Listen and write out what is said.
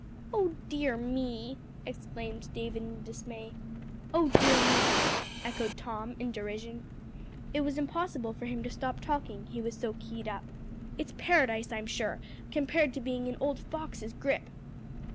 "Oh dear me!" exclaimed David in dismay. "Oh dear me!" echoed Tom in derision. It was impossible for him to stop talking, he was so keyed up. "It's paradise, I'm sure, compared to being in old Fox's grip."